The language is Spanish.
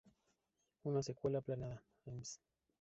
Una secuela planeada, "Ms.